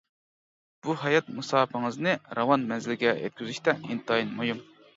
بۇ ھايات مۇساپىڭىزنى راۋان مەنزىلگە يەتكۈزۈشتە ئىنتايىن مۇھىم.